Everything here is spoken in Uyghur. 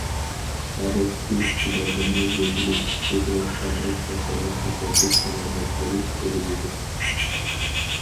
ئادەتتىكى كىشىلەردىمۇ يۆتىلىش، كۆكرەك ئاغرىش قاتارلىق كېسەللىك ئالامەتلىرى كۆرۈلىدۇ.